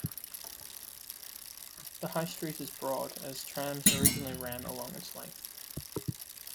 The High Street is broad as trams originally ran along its length.